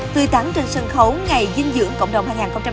tươi tắn trên sân khấu ngày dinh dưỡng cộng đồng hai nghìn hai mươi